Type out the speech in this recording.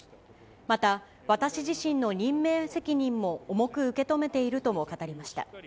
また、私自身の任命責任も重く受け止めているとも語りました。